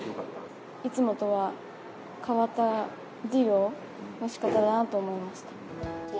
いつもとは変わった授業のしかただなと思いました。